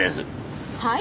はい？